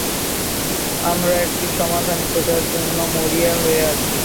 আমরা একটি সমাধান খোঁজার জন্য মরিয়া হয়ে আছি।